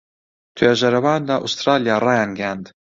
توێژەرەوان لە ئوسترالیا ڕایانگەیاند